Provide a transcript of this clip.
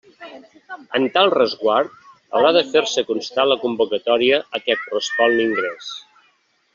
En tal resguard haurà de fer-se constar la convocatòria a què correspon l'ingrés.